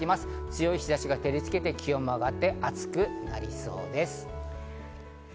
強い日差しが照りつけて気温も上がって暑くなりそうです。